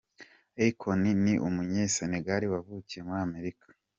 Akon ni Umunyasenegale wavukiye muri Amerika.